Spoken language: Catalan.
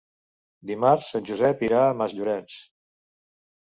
Dimarts en Josep irà a Masllorenç.